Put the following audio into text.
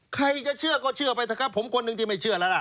ใครจะเชื่อก็เชื่อไปเถอะครับผมคนหนึ่งที่ไม่เชื่อแล้วล่ะ